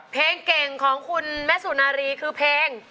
เพลงเก่งของคุณแม่สุนารีคือเพลง